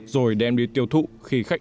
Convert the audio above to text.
rồi đem đi tiêu thụ khi khách